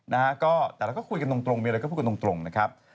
แต่เราก็คุยกันตรงมีอะไรก็คุยกันตรงนะครับ